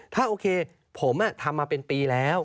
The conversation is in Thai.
ถ้าโอเคผมทำมาเป็นปีแล้ว